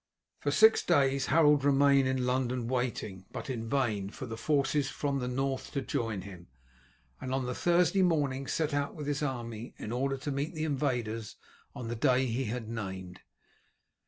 For six days Harold remained in London waiting, but in vain, for the forces from the North to join him, and on the Thursday morning set out with his army in order to meet the invaders on the day he had named.